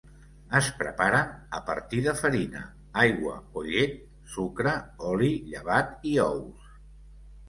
Es preparen a partir de farina, aigua o llet, sucre, oli, llevat i ous.